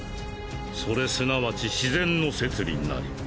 それすなわち自然の摂理なり。